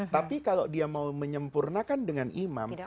tapi kalau dia mau menyempurnakan dengan imam